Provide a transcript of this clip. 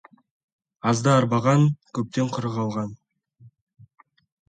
Азды арбаған, көптен құры қалған.